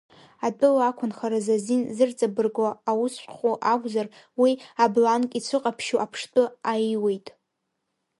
Атәыла ақәынхаразы азин зырҵабырго аусшәҟәы акәзар, уи абланк ицәыҟаԥшьу аԥштәы аиуеит.